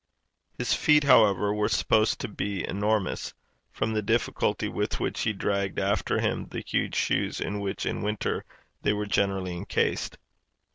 His feet, however, were supposed to be enormous, from the difficulty with which he dragged after him the huge shoes in which in winter they were generally encased.